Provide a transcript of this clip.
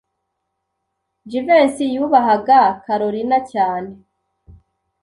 Jivency yubahaga Kalorina cyane.